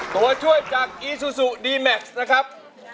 ตัวช่วยจากอีซูซูดีแม็กซ์นะครับ